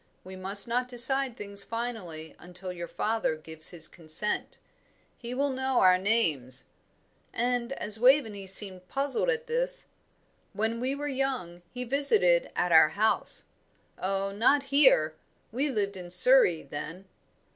We must not decide things finally until your father gives his consent. He will know our names." And, as Waveney seemed puzzled at this, "When we were young he visited at our house. Oh, not here; we lived in Surrey then."